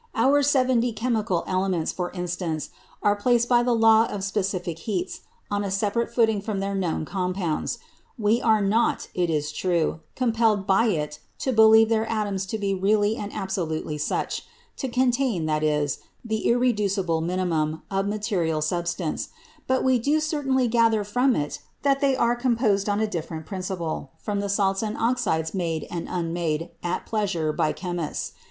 Our seventy chemical "elements," for instance, are placed by the law of specific heats on a separate footing from their known compounds. We are not, it is true, compelled by it to believe their atoms to be really and absolutely such to contain, that is, the "irreducible minimum" of material substance; but we do certainly gather from it that they are composed on a different principle from the salts and oxides made and unmade at pleasure by chemists.